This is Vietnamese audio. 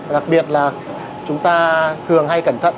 đặc biệt là chúng ta thường hay cẩn thận